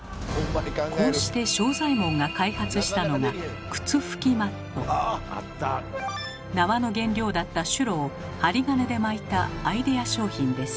こうして正左衛門が開発したのが縄の原料だったシュロを針金で巻いたアイデア商品です。